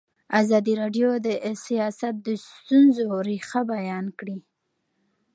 ازادي راډیو د سیاست د ستونزو رېښه بیان کړې.